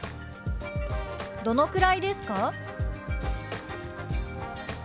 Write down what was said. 「どのくらいですか？」。